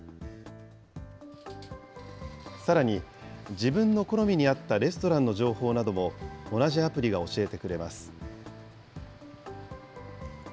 さらに、自分の好みに合ったレストランの情報なども、同じアプリが教えてくれます。